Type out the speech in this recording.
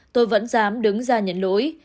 tôi vẫn dám đứng ra nhận lỗi